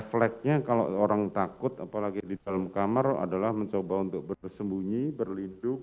flagnya kalau orang takut apalagi di dalam kamar adalah mencoba untuk bersembunyi berlindung